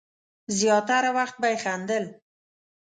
زیاتره وخت به یې خندل.